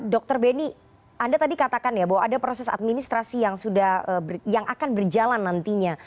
dr beni anda tadi katakan ya bahwa ada proses administrasi yang akan berjalan nantinya